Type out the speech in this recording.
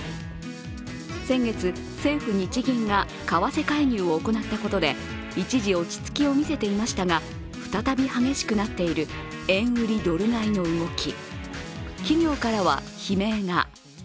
先月、政府・日銀が為替介入を行ったことで一時、落ち着きを見せていましたが再び激しくなっている円売り・ドル買いの動き。